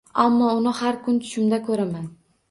Ammo uni har kun tushimda ko’raman.